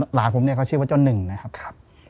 หลานผมเนี่ยเขาชื่อว่าเจ้าหนึ่งนะครับ